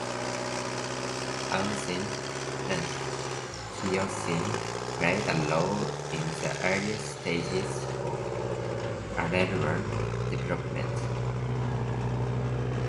Auxin and cytokinin play a role in the earlier stages of aleurone development.